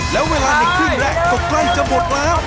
แล้วเวลาในครึ่งแรกก็ใกล้จะหมดแล้ว